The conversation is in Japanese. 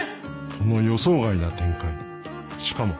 この予想外な展開しかも